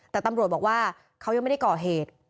แต่ตำรวจบอกว่าเขายังไม่ได้ก่อเหตุ